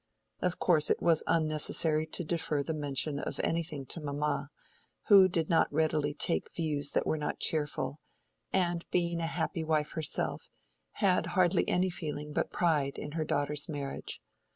Of course it was unnecessary to defer the mention of anything to mamma, who did not readily take views that were not cheerful, and being a happy wife herself, had hardly any feeling but pride in her daughter's marriage.